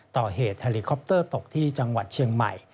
ต่อเหตุเฮลิคอปเตอร์ตกที่จังหวัดเชียงใหม่